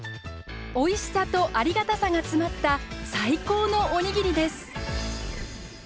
おいしさとありがたさが詰まった最高のおにぎりです。